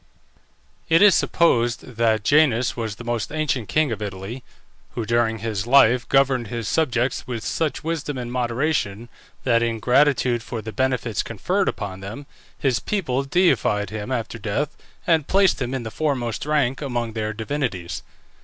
It is supposed that Janus was the most ancient king of Italy, who, during his life, governed his subjects with such wisdom and moderation that, in gratitude for the benefits conferred upon them, his people deified him after death and placed him in the foremost rank among their divinities.